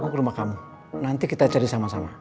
tunggu ke rumah kamu nanti kita cari sama sama